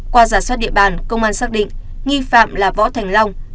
qua giả soát địa bàn công an xác định nghi phạm là võ thành long